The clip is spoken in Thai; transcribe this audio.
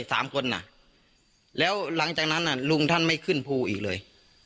สามคนน่ะแล้วหลังจากนั้นอ่ะลุงท่านไม่ขึ้นภูอีกเลย